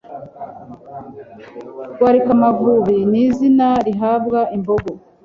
Rwarikamavubi n' izina rihabwa imbogo